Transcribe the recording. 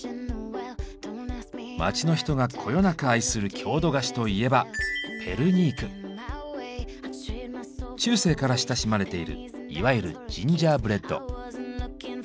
街の人がこよなく愛する郷土菓子といえば中世から親しまれているいわゆるジンジャーブレッド。